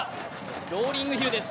ローリングヒルです。